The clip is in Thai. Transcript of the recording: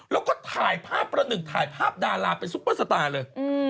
แล้วก็ถ่ายภาพประหนึ่งถ่ายภาพดาราเป็นซุปเปอร์สตาร์เลย